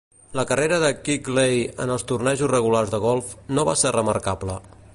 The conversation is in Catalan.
La carrera de Quigley en els tornejos regulars de golf no va ser remarcable.